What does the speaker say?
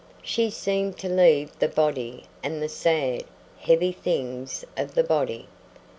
She seemed to leave the body and the sad, heavy things of the body.